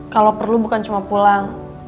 kalau perlu bukan cuma pulang